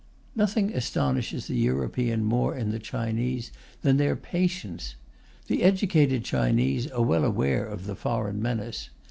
Nothing astonishes a European more in the Chinese than their patience. The educated Chinese are well aware of the foreign menace.